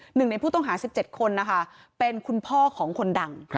หนึ่งในผู้ต้องหา๑๗คนนะคะเป็นคุณพ่อของคนดัง